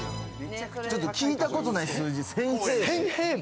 ちょっと聞いたことない数字、１０００平米。